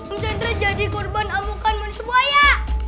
am chandra jadi korban amukan manusia bu aya